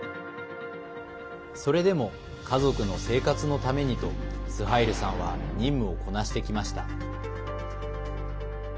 それでも、家族の生活のためにとスハイルさんは任務をこなしてきました。